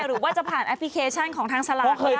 หรือว่าจะผ่านแอปพลิเคชันของทางสลากได้